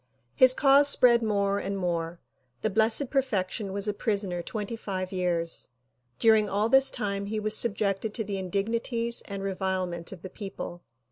His cause spread more and more. The Blessed Perfection was a prisoner twenty five years. During all this time he was sub jected to the indignities and revilement of the people.